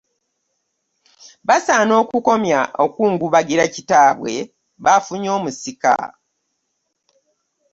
Basaana okukomya okukungubagira kitaabwe bafunye omusika.